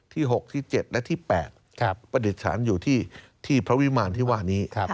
ที่๖ที่๗และที่๘ประดิษฐานอยู่ที่พระวิมารที่ว่านี้